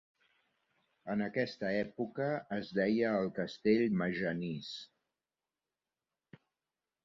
En aquesta època, es deia el castell Magennis.